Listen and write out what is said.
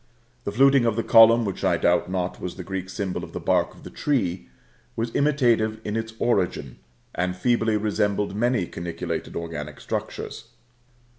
The fluting of the column, which I doubt not was the Greek symbol of the bark of the tree, was imitative in its origin, and feebly resembled many caniculated organic structures.